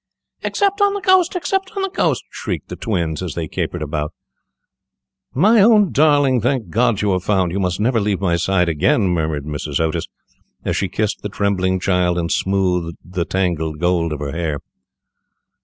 "Except on the Ghost! except on the Ghost!" shrieked the twins, as they capered about. "My own darling, thank God you are found; you must never leave my side again," murmured Mrs. Otis, as she kissed the trembling child, and smoothed the tangled gold of her hair.